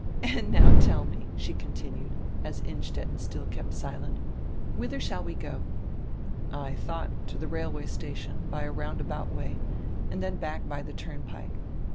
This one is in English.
"And now tell me," she continued, as Innstetten still kept silent, "whither shall we go?" "I thought, to the railway station, by a roundabout way, and then back by the turnpike.